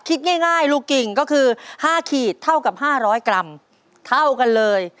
คิดง่ายลูกกิ่งก็คือ๕ขีดเท่ากับ๕๐๐กรัมเท่ากันเลย